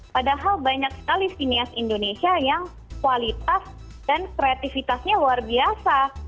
padahal banyak sekali sinias indonesia yang kualitas dan kreativitasnya luar biasa